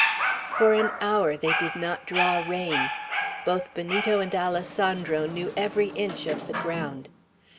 For an hour they did not draw rein. Both Benito and Alessandro knew every inch of the ground.